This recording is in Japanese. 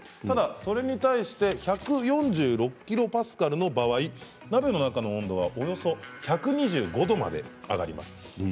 ただそれに対して１４６キロパスカルの場合鍋の中の温度はおよそ１２５度まで上がります。